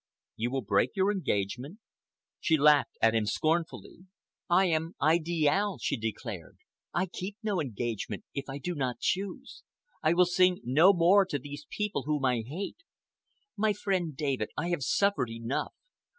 "You will break your engagement?" She laughed at him scornfully. "I am Idiale," she declared. "I keep no engagement if I do not choose. I will sing no more to this people whom I hate. My friend David, I have suffered enough.